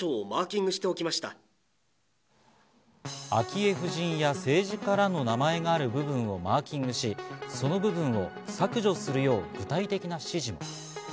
昭恵夫人や政治家らの名前がある部分などをマーキングし、その部分を削除するよう具体的な指示も。